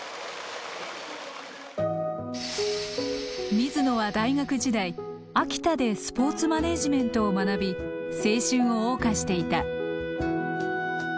水野は大学時代秋田でスポーツマネージメントを学び青春を謳歌していた。